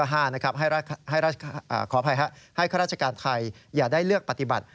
ให้ข้าราชการไทยอย่าได้เลือกปฏิบัติ